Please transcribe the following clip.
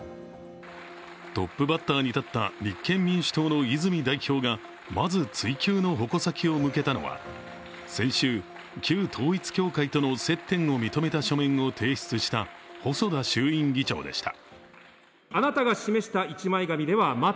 トップバッターに立った立憲民主党の泉代表がまず追及の矛先を向けたのは先週、旧統一教会との接点を認めた書面を提出した細田衆院議長でした。